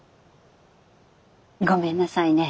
ごめんなさいね。